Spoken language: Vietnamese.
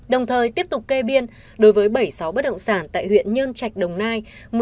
đồng thời tiếp tục kê biên đối với bảy mươi sáu bất động sản tại huyện nhơn trạch đồng nai